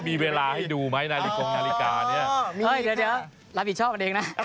มีเวลาให้ดูไหมนาฬิกงนาฬิกาเนี่ยเฮ้ยเดี๋ยวรับผิดชอบกันเองนะ